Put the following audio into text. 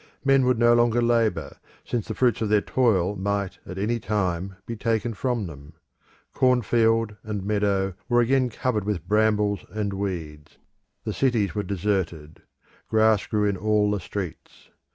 Men would no longer labour, since the fruits of their toil might at any time be taken from them. Cornfield and meadow were again covered with brambles and weeds; the cities were deserted; grass grew in all the streets.